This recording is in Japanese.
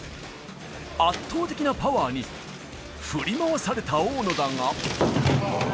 圧倒的なパワーに振り回された大野だが。